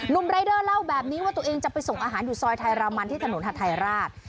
รายเดอร์เล่าแบบนี้ว่าตัวเองจะไปส่งอาหารอยู่ซอยไทยรามันที่ถนนฮัทไทยราช